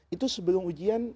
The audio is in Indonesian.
itu sebelum ujian